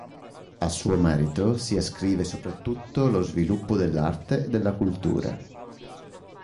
A suo merito si ascrive soprattutto lo sviluppo dell'arte e della cultura.